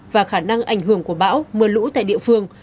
và khả năng ảnh hưởng của bão mưa lũ tại địa phương